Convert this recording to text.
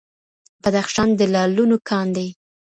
بدخشان د لالونو کان دی.